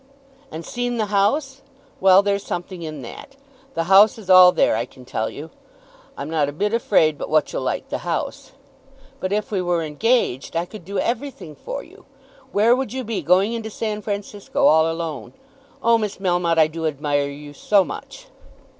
"And seen the house! Well; there's something in that. The house is all there, I can tell you. I'm not a bit afraid but what you'll like the house. But if we were engaged, I could do every thing for you. Where would you be, going into San Francisco all alone? Oh, Miss Melmotte, I do admire you so much!"